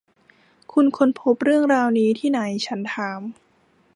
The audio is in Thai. คุณค้นพบเรื่องราวนี้ที่ไหน ? ฉันถาม